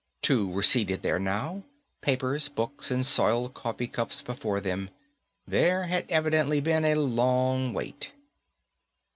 Two were seated there now, papers, books and soiled coffee cups before them. There had evidently been a long wait.